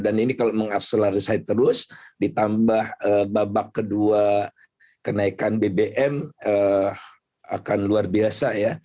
dan ini kalau mengakselerasi terus ditambah babak kedua kenaikan bbm akan luar biasa ya